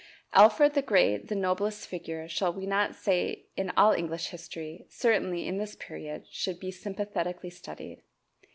Alfred the Great, the noblest figure, shall we not say in all English history certainly in this period, should be sympathetically studied.